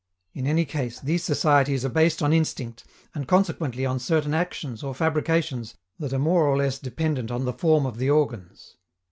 In any case, these societies are based on instinct, and consequently on certain actions or fabrications that are more or less dependent on the form of the organs.